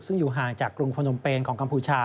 ซึ่งอยู่ห่างจากกรุงพนมเปนของกัมพูชา